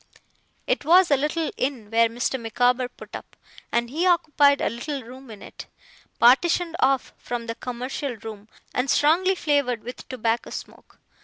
It was a little inn where Mr. Micawber put up, and he occupied a little room in it, partitioned off from the commercial room, and strongly flavoured with tobacco smoke.